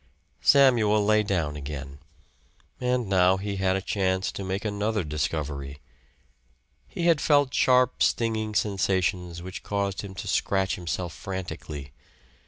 Samuel lay down again; and now he had a chance to make another discovery. He had felt sharp stinging sensations which caused him to scratch himself frantically.